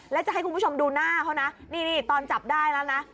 แล้วจะให้คุณผู้ชมดูหน้าเขานะนี่ตอนจับได้แล้วนะ